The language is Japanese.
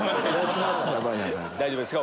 大丈夫ですか？